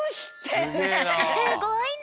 すごいね。